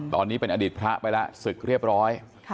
ตอนนี้เป็นอดีตพระไปแล้วศึกเรียบร้อย